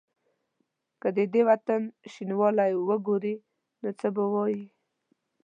که د دې وطن شینوالی وګوري نو څه به وايي؟